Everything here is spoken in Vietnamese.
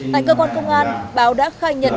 tại cơ quan công an báo đã khai nhận